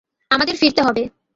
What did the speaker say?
আমাদের ফিরতে হবে।